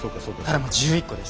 ただもう１１個です。